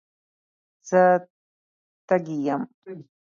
زه تږي یم.